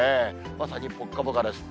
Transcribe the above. まさにぽっかぽかです。